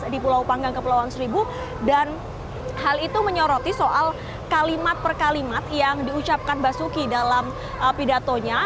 di pulau panggang kepulauan seribu dan hal itu menyoroti soal kalimat per kalimat yang diucapkan basuki dalam pidatonya